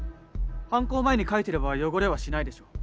犯行前に書いてれば汚れはしないでしょう。